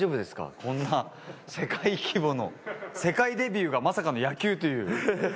こんな世界規模の、世界デビューがまさかの野球という。